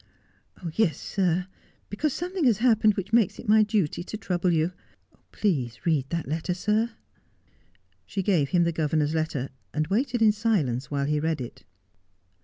'Yes, sir, because something has happened which makes it my duty to trouble you. Please read that letter, sir.' She gave him the governor's letter, and waited in silence while he read it.